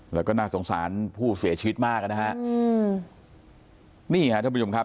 แล้วก็น่าสงสารผู้เสียชีวิตมากอ่ะนะฮะอืมนี่ฮะท่านผู้ชมครับ